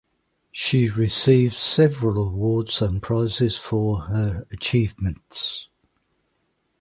She received several awards and prizes for her activities.